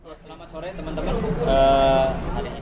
selamat sore teman teman